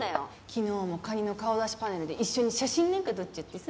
昨日もカニの顔出しパネルで一緒に写真なんか撮っちゃってさ。